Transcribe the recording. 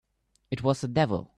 It was the devil!